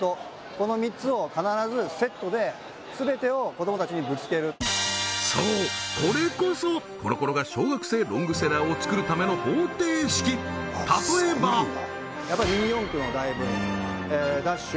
この３つを必ずセットで全てを子どもたちにぶつけるそうこれこそコロコロが小学生ロングセラーを作るための方程式例えばダッシュ！